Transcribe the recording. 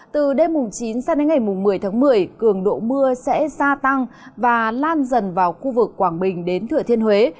từ đêm chín sang đến ngày một mươi tháng một mươi cường độ mưa sẽ gia tăng và lan dần vào khu vực quảng bình đến thừa thiên huế